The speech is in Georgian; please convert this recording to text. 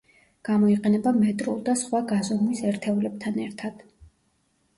გამოიყენება მეტრულ და სხვა გაზომვის ერთეულებთან ერთან.